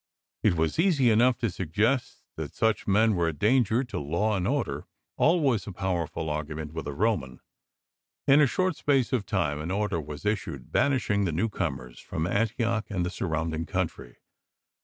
It was easy enough to suggest that such men were a danger to law and order, always a powerful argument with a Roman. In a short space of time an order was issued banishing the newcomers from Antioch and the surrounding country.